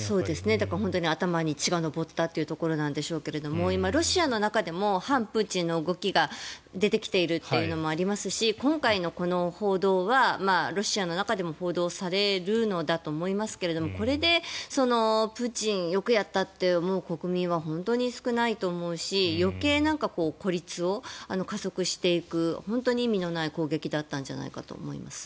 やっぱり頭に血が上ったというところなんでしょうけど今、ロシアの中でも反プーチンの動きが出てきているというのもありますし今回のこの報道はロシアの中でも報道されるんだと思いますがこれで、プーチンよくやったと思う国民は本当に少ないと思うし余計、孤立を加速していく本当に意味のない攻撃だったんじゃないかと思います。